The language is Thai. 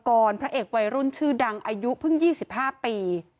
พระเอกวัยรุ่นชื่อดังอายุเพิ่ง๒๕ปี